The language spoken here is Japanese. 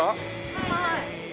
はい。